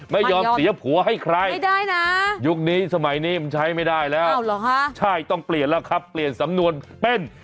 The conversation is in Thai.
ไม่ยอมเสียผัวให้ใครไม่ได้นะยุคนี้สมัยนี้มันใช้ไม่ได้แล้วใช่ต้องเปลี่ยนแล้วครับเปลี่ยนสำนวนเป็น